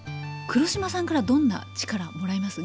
黒島さんからどんな力をもらいます？